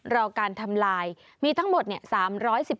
รอการทำลายมีทั้งหมดเนี่ย